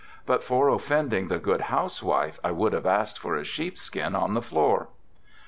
But for offending the good housewife I would have asked for a sheepskin on the floor.